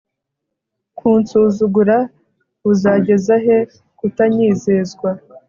kunsuzugura buzageza he kutanyizezwa